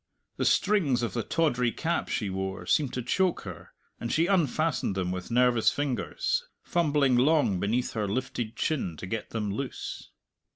The strings of the tawdry cap she wore seemed to choke her, and she unfastened them with nervous fingers, fumbling long beneath her lifted chin to get them loose.